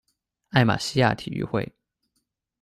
艾马希亚体育会。